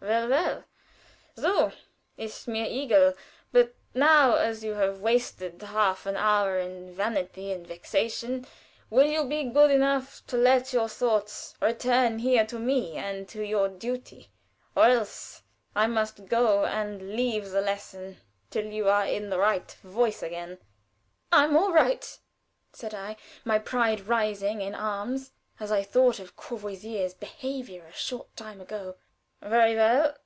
"Well, well. 'S ist mir egal. But now, as you have wasted half an hour in vanity and vexation, will you be good enough to let your thoughts return here to me and to your duty? or else I must go, and leave the lesson till you are in the right voice again." "I am all right try me," said I, my pride rising in arms as I thought of Courvoisier's behavior a short time ago. "Very well.